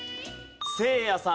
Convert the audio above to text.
せいやさん